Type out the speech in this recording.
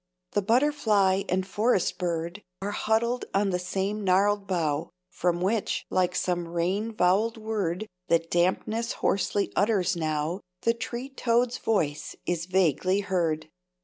The butterfly and forest bird Are huddled on the same gnarled bough, From which, like some rain voweled word That dampness hoarsely utters now, The tree toad's voice is vaguely heard.